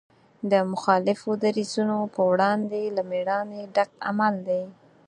د مخالفو دریځونو په وړاندې له مېړانې ډک عمل دی.